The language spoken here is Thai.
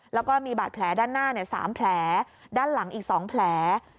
แล้วก็มีบาดแผลด้านหน้า๓แผลด้านหลังอีก๒แผล